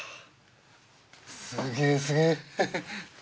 すげえすげえヘヘ。